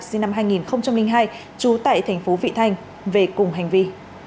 sinh năm hai nghìn hai trú tại thành phố vị thanh về cùng hành vi